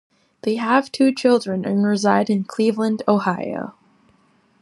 They have two children and reside in Cleveland, Ohio.